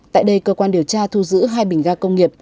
tại đây cơ quan điều tra thu giữ hai bình ga công nghiệp